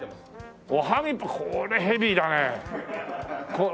おはぎこれヘビーだね。